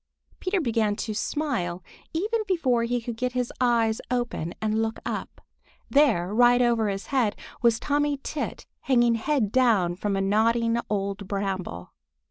Peter began to smile even before he could get his eyes open and look up. There, right over his head, was Tommy Tit hanging head down from a nodding old bramble.